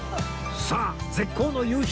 さあ絶好の夕日